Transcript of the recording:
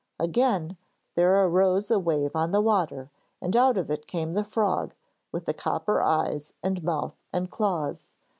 Again there arose a wave on the water, and out of it came the frog, with the copper eyes and mouth and claws.